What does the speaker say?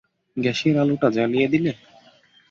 গ্যাসের আলোটা জ্বালিয়ে দিলে।